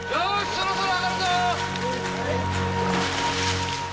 そろそろ上がるぞ！